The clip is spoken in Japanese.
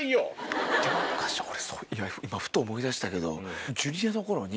昔今ふと思い出したけど。